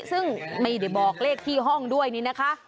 ซึ่งไม่ได้บอกเลขที่ห้องด้วยนี่นะคะ